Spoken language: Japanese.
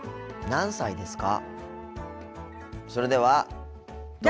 何歳ですか？